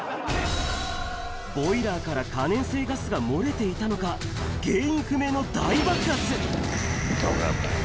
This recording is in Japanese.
ボイラーから可燃性ガスが漏れていたのか、原因不明の大爆発。